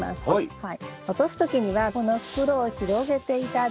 はい。